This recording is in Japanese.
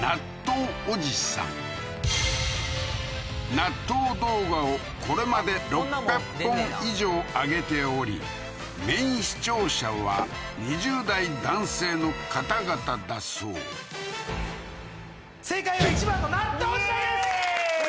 納豆動画をこれまで６００本以上上げておりメイン視聴者は２０代男性の方々だそう正解は１番の納豆おじさんです！